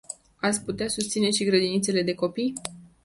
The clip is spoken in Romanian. Ați putea susține și grădinițele de copii?